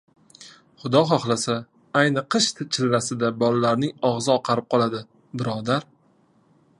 — Xudo xohlasa, ayni qish chillasida bolalarning og‘zi oqarib qoladi, birodar!